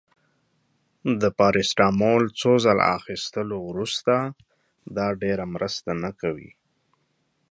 د پاراسټامول څو ځله اخیستلو وروسته، دا ډیره مرسته نه کوي.